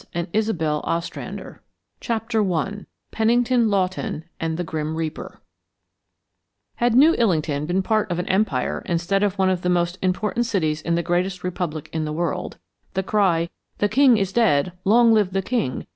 262 THE CREVICE CHAPTER I PENNINGTON LAWTON AND THE GRIM REAPER Had New Illington been part of an empire instead of one of the most important cities in the greatest republic in the world, the cry "The King is dead! Long live the King!"